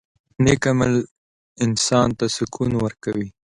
• نیک عمل انسان ته سکون ورکوي.